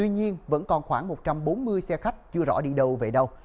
nhưng xe khách chưa rõ đi đâu vậy đâu